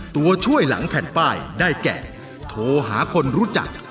ตัวช่วยหลังแผ่นป้ายได้แก่โทรหาคนรู้จัก